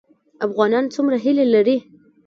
افغانان څومره هیلې لري؟